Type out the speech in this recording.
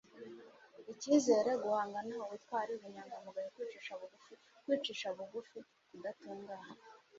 ikizere, guhangana, ubutwari, ubunyangamugayo, kwicisha bugufi, kwicisha bugufi, kudatungana